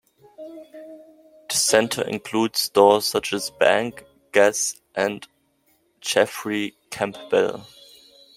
The centre includes stores such as Bank, Guess and Jeffrey Campbell.